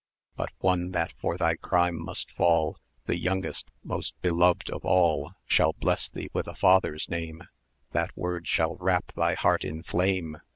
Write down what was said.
But one that for thy crime must fall, The youngest, most beloved of all, Shall bless thee with a father's name That word shall wrap thy heart in flame!